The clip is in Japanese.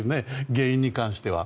原因に関しては。